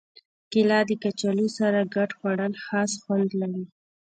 کېله د کچالو سره ګډ خوړل خاص خوند لري.